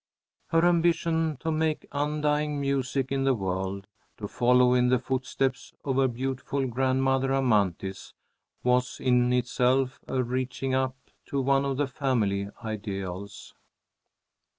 Her ambition "to make undying music in the world," to follow in the footsteps of her beautiful grandmother Amanthis, was in itself a reaching up to one of the family ideals.